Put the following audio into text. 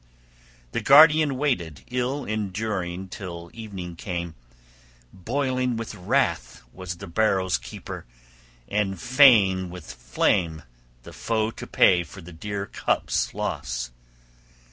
The guardian waited ill enduring till evening came; boiling with wrath was the barrow's keeper, and fain with flame the foe to pay for the dear cup's loss.